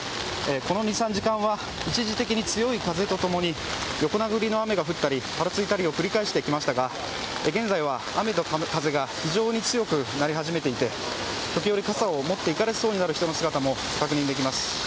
この２３時間は一時的に強い風と共に横殴りの雨が降ったりぱらついたりを繰り返してきましたが現在は雨と風が非常に強くなり始めていて時折傘を持っていかれそうになる人の姿も確認できます。